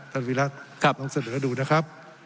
ท่านวิรัติต้องเสนอดูนะครับ